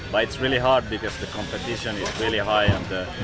tapi itu sangat sukar karena kompetisi sangat tinggi